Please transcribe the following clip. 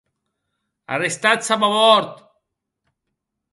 Arrestatz a babòrd!